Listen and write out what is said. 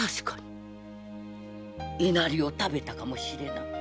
稲荷を食べたかもしれない。